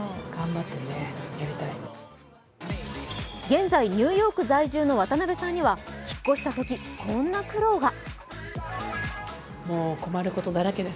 現在、ニューヨーク在住の渡部さんには引っ越したときこんな苦労が。